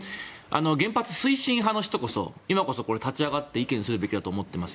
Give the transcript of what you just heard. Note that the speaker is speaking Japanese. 原発推進派の人こそ今こそ立ち上がって意見するべきだと思っていますよ。